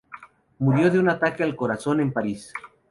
Murió de un ataque al corazón en París.